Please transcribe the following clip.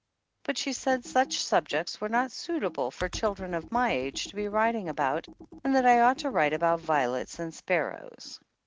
But she said such subjects were not suitable for children of my age to be writing about and that I ought to write about violets and sparrows.